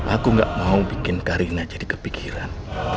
aku gak mau bikin karina jadi kepikiran